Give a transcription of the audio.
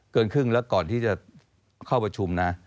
เกินครึ่งแล้วก่อนที่จะเข้าประชุมนะ